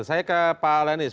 saya ke pak lenis